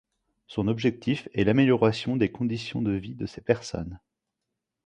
Son objectif est l'amélioration des conditions de vie de ces personnes.